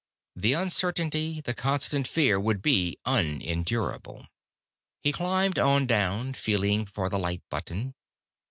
The uncertainty, the constant fear, would be unendurable. He climbed on down, feeling for the light button.